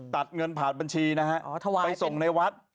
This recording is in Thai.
ตัดเงินผ่านบัญชีนะฮะไปส่งในวัด